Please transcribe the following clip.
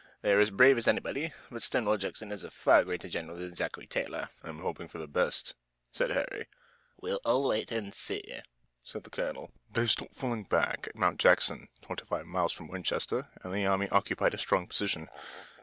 They are as brave as anybody. But Stonewall Jackson is a far greater general than Zachary Taylor." "I'm hoping for the best," said Harry. "We'll all wait and see," said the colonel. They stopped falling back at Mount Jackson, twenty five miles from Winchester, and the army occupied a strong position.